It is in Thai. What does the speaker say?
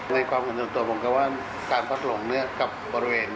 ในความรู้สึกส่วนตัวผมจะว่าการพัดลงเลือกกับบริเวณ